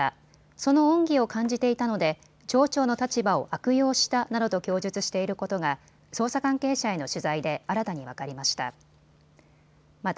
その恩義を感じていたので町長の立場を悪用したなどと供述していることが捜査関係者への取材で新たに分かりました。